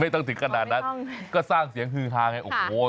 ต้องถึงขนาดนั้นก็สร้างเสียงฮือฮาไงโอ้โห